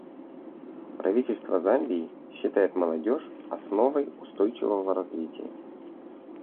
Правительство Замбии считает молодежь основой устойчивого развития.